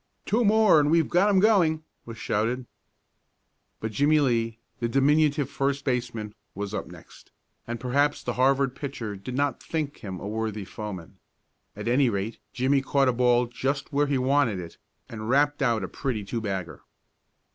"Two more and we've got 'em going!" was shouted. But Jimmie Lee, the diminutive first baseman, was up next, and perhaps the Harvard pitcher did not think him a worthy foeman. At any rate Jimmie caught a ball just where he wanted it, and rapped out a pretty two bagger.